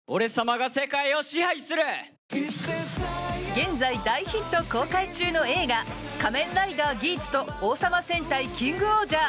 現在、大ヒット公開中の映画「仮面ライダーギーツ」と「王様戦隊キングオージャー」。